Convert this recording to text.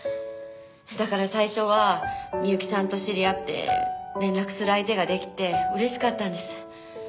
だから最初は美由紀さんと知り合って連絡する相手ができて嬉しかったんです。